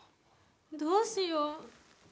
どうしよう。